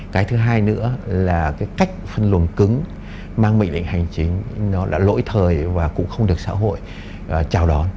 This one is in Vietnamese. cái thứ hai nữa là cái cách phân luồng cứng mang mệnh lệnh hành chính nó đã lỗi thời và cũng không được xã hội chào đón